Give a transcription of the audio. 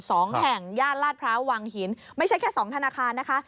สองแห่งย่านลาดพร้าววังหินไม่ใช่แค่สองธนาคารนะคะ